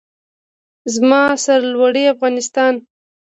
زما سرلوړی افغانستان.